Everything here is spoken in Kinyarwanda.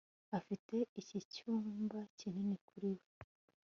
afite iki cyumba kinini kuri we